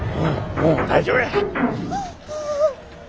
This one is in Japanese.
もう大丈夫や。